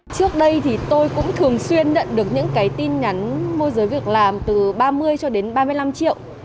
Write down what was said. trước đây thì tôi cũng thường xuyên đận được những tin nhắn mua giới việc làm từ ba mươi cho đến ba mươi năm triệu